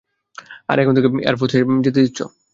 আর এখন ওকে এয়ারফোর্স এ যেতে দিচ্ছ?